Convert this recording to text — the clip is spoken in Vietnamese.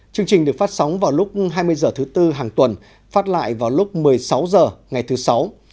chương trình được phát sóng vào lúc hai mươi h thứ tư hàng tuần phát lại vào lúc một mươi sáu h ngày thứ sáu